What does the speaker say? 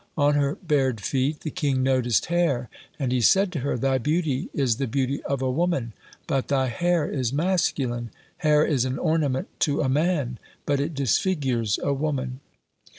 On her bared feet the king noticed hair, and he said to her: "Thy beauty is the beauty of a woman, but thy hair is masculine; hair is an ornament to a man, but it disfigures a woman."